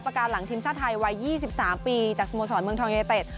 ประกาศหลังทีมชาวไทยวัย๒๓ปีจากสมสรรค์เมืองทองเยตเตศ